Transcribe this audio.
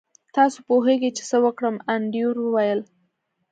تاسو پوهیږئ چې څه وکړم انډریو وویل